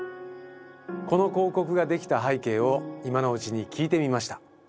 この広告が出来た背景を今のうちに聞いてみました。